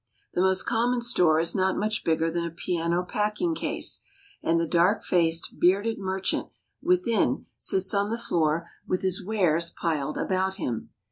The most common store is not much bigger than a piano packing case ; and the dark faced, bearded merchant within, sits on the floor with his wares piled about him.